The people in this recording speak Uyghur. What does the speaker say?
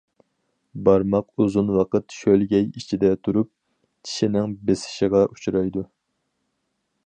بارماق ئۇزۇن ۋاقىت شۆلگەي ئىچىدە تۇرۇپ، چىشنىڭ بېسىشىغا ئۇچرايدۇ.